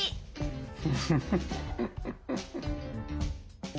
フフフフ。